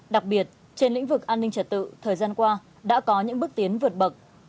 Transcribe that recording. đặc biệt trên lĩnh vực an ninh trật tự thời gian qua đã có những bước tiến vượt bậc